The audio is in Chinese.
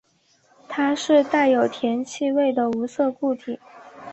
它是带有甜气味的无色固体。